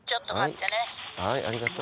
はいありがとう。